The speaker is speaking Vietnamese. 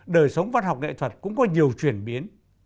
đời sống văn học nghệ thuật cũng có nhiều chuyển biến